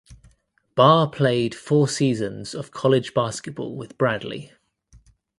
Bar played four seasons of college basketball with Bradley.